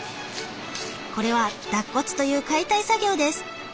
これは脱骨という解体作業です。